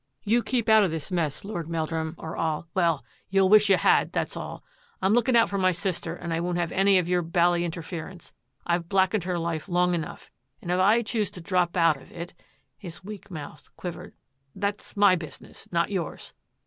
" You keep out of this mess. Lord Meldrum, or I'll — well, you'll wish you had, that's all! I'm looking out for my sister and I won't have any of your bally interference. I have blackened her life long enough, and if I choose to drop out of it "— ^his weak mouth quivered —" that's my busi ness, not yours."